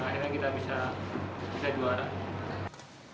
akhirnya kita bisa juara